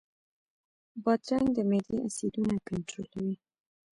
بادرنګ د معدې اسیدونه کنټرولوي.